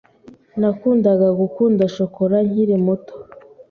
Nakundaga gukunda shokora nkiri muto.